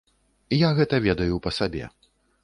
Я гэта ведаю па сабе.